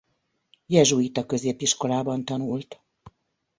Jezsuita középiskolában tanult.